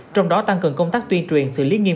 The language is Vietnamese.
trong đó tăng cường công tác tuyên truyền xử lý nghiêm